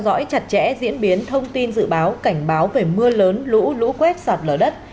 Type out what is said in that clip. theo dõi chặt chẽ diễn biến thông tin dự báo cảnh báo về mưa lớn lũ lũ quét sạt lở đất